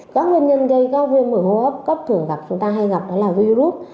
các nguyên nhân gây các viêm đường hô hấp cấp thường gặp chúng ta hay gặp đó là virus